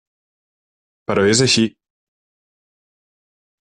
Però és així.